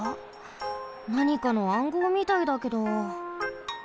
なにかの暗号みたいだけど。